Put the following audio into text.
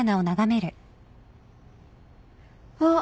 あっ！